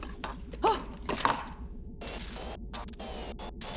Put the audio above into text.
あっ！